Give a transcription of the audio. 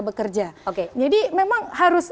bekerja jadi memang harus